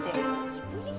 nggak ada makanan